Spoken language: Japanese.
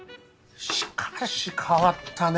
しかし変わったね